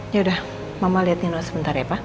ya udah mama liat nino sebentar ya pak